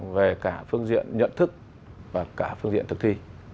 về cả phương diện nhận thức và cả phương diện thực thi